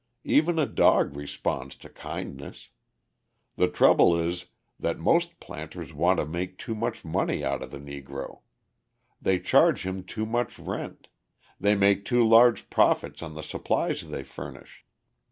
Even a dog responds to kindness! The trouble is that most planters want to make too much money out of the Negro; they charge him too much rent; they make too large profits on the supplies they furnish.